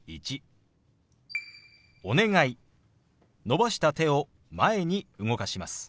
伸ばした手を前に動かします。